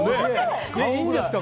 いいんですか？